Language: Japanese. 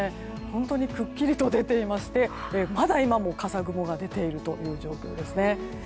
本当にくっきりと出ていましてまだ今も笠雲が出ているという状況ですね。